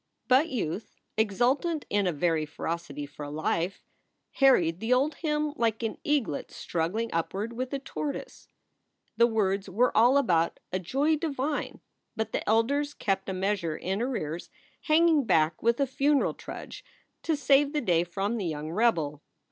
But Youth, exultant in a very ferocity for life, harried the old hymn like an eaglet struggling upward with a tortoise. The words were all about a "joy divine," but the elders kept a measure in arrears, hanging back with a funeral trudge to save the day from the young rebel.